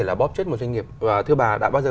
là bóp chết một doanh nghiệp thưa bà đã bao giờ